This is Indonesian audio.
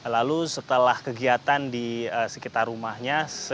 lalu setelah kegiatan di sekitar rumahnya